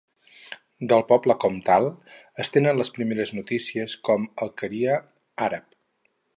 Del poble com tal es tenen les primeres notícies com a alqueria àrab.